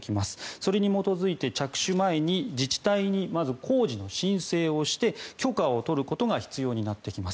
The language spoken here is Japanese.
それに基づいて着手前に自治体にまず工事の申請をして許可を取ることが必要になってきます。